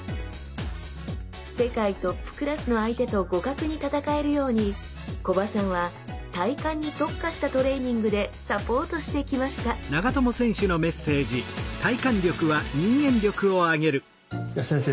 世界トップクラスの相手と互角に戦えるように木場さんは体幹に特化したトレーニングでサポートしてきました先生